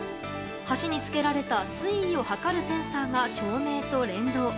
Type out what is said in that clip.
橋につけられた水位を測るセンサーが照明と連動。